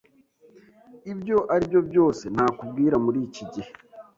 Ibyo aribyo byose nakubwira muri iki gihe.